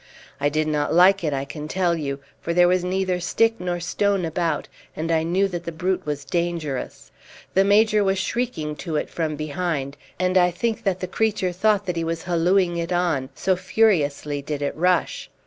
I did not like it, I can tell you; for there was neither stick nor stone about, and I knew that the brute was dangerous. The Major was shrieking to it from behind, and I think that the creature thought that he was hallooing it on, so furiously did it rush.